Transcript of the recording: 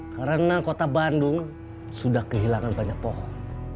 karena kota bandung sudah kehilangan banyak pohon